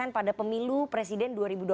pada pemilu presiden dua ribu dua puluh